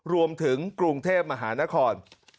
รวมถึงกรุงเทพมหานคร